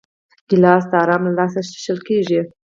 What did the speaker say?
ګیلاس د آرام له لاسه څښل کېږي.